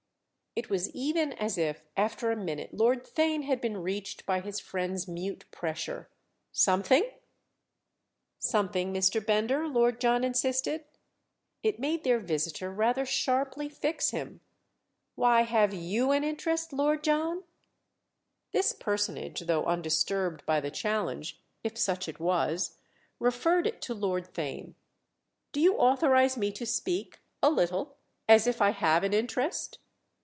It was even as if after a minute Lord Theign had been reached by his friend's mute pressure. "'Something'?" "Something, Mr. Bender?" Lord John insisted. It made their visitor rather sharply fix him. "Why, have you an interest, Lord John?" This personage, though undisturbed by the challenge, if such it was, referred it to Lord Theign. "Do you authorise me to speak—a little—as if I have an interest?"